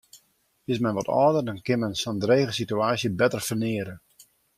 Is men wat âlder, dan kin men sa'n drege sitewaasje better ferneare.